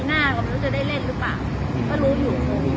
หน้าก็ไม่รู้จะได้เล่นหรือเปล่าก็รู้อยู่